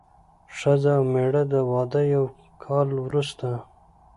ښځه او مېړه د واده یو کال وروسته.